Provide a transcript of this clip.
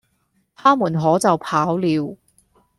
他們可就跑了。